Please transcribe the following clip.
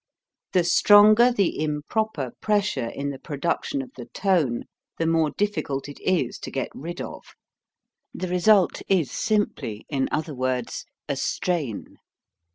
The stronger the improper pressure in the production of the tone, the more difficult it is to get rid of. The result is simply, in other words, a strain.